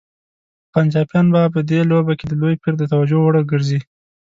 پنجابیان به په دې لوبه کې د لوی پیر د توجه وړ وګرځي.